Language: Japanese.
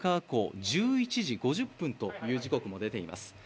港１１時５０分という時刻も出ています。